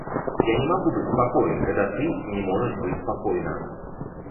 Я не могу быть спокоен, когда ты не можешь быть спокойна...